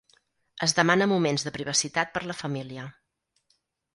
Es demana moments de privacitat per la família.